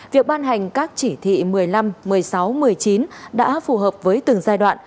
việc ban hành các chỉ thị một mươi năm một mươi sáu một mươi chín đã phù hợp với từng giai đoạn